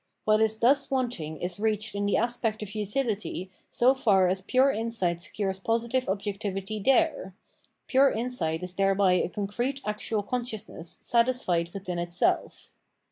What is thus wanting is i reached in the aspect of utility so far as pure insight secures positive objectivity there ; pure insight is thereby a concrete actual consciousness satisfied within itself.